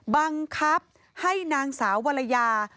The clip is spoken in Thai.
บังคับให้นางสาววรรยา